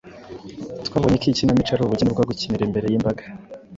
Twabonye ko Ikinamico ari ubugeni bwo gukinira imbere y’imbaga